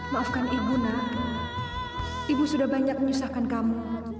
maafkan ibu nak ibu sudah banyak menyusahkan kamu